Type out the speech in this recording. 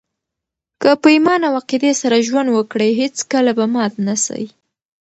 که په ایمان او عقیدې سره ژوند وکړئ، هېڅکله به مات نه سئ!